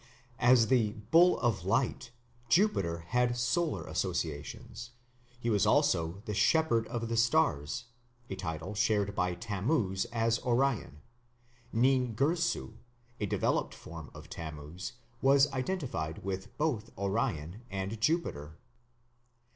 As the "bull of light" Jupiter had solar associations; he was also the shepherd of the stars, a title shared by Tammuz as Orion; Nin Girsu, a developed form of Tammuz, was identified with both Orion and Jupiter.